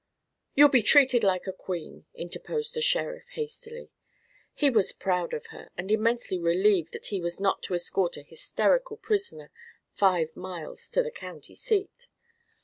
"You'll be treated like a queen," interposed the sheriff hastily. He was proud of her, and immensely relieved that he was not to escort an hysterical prisoner five miles to the County Seat.